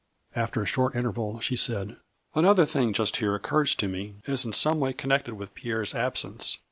After a short interval, she said :" Another thing just here occurs to me as in some way connected with Pierre's absence.